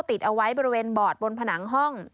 ติดเอาไว้บริเวณบอร์ดบนผนังห้อง